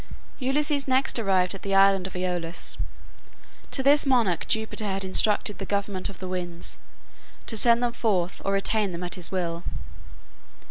Ulysses next arrived at the island of Aeolus. To this monarch Jupiter had intrusted the government of the winds, to send them forth or retain them at his will.